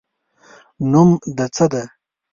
نوم د څه ده